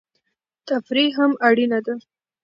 تفریح هم اړینه ده.